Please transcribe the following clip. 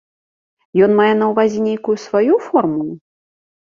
Ён мае на ўвазе нейкую сваю формулу?